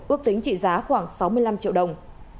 ước tính trị giá khoảng sáu mươi năm triệu đồng